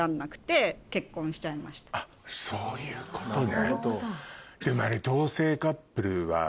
あっそういうことね。